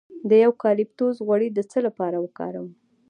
د یوکالیپټوس غوړي د څه لپاره وکاروم؟